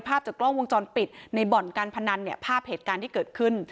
ภาพจากกล้องวงจรปิดในบ่อนการพนันเนี่ยภาพเหตุการณ์ที่เกิดขึ้น